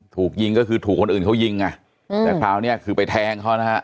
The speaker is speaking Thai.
ถูกยิงก็คือถูกคนอื่นเขายิงไงแต่คราวนี้คือไปแทงเขานะฮะ